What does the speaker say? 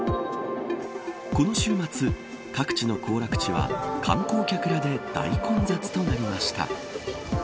この週末、各地の行楽地は観光客らで大混雑となりました。